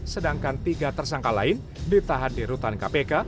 sedangkan tiga tersangka lain ditahan di rutan kpk